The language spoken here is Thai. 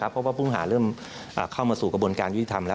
เพราะว่าผู้ต้องหาเริ่มเข้ามาสู่กระบวนการยุติธรรมแล้ว